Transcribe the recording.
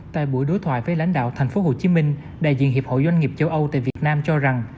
tại buổi đối thoại với lãnh đạo tp hcm đại diện hiệp hội doanh nghiệp châu âu tại việt nam cho rằng